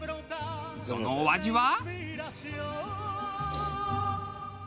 そのお味は。